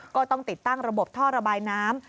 ก็ต้องติดตั้งระบบท่อระบายน้ำ